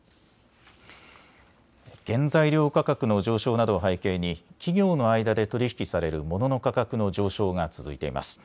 原材料価格の上昇などを背景に企業の間で取り引きされるモノの価格の上昇が続いています。